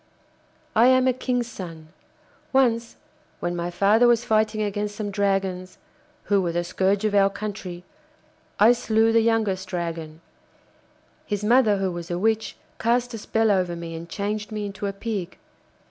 'I am a King's son. Once when my father was fighting against some dragons, who were the scourge of our country, I slew the youngest dragon. His mother, who was a witch, cast a spell over me and changed me into a Pig.